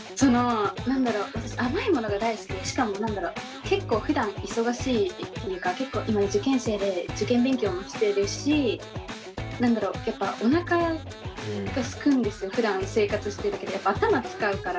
私甘いものが大好きでしかも結構ふだん忙しいっていうか結構今受験生で受験勉強もしてるし何だろうやっぱふだん生活しているだけでやっぱ頭使うから。